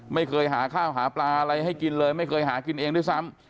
ไม่เคยหาข้าวหาปลาอะไรให้กินเลยไม่เคยหากินเองด้วยซ้ำ